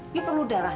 lu perlu darah yuk